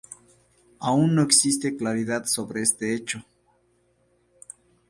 Aún no existe claridad sobre este hecho.